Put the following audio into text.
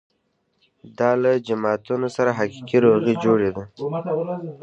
دا له جماعتونو سره حقیقي روغې جوړې ده.